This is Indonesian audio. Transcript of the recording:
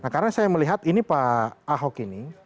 karena saya melihat ini pak ahok ini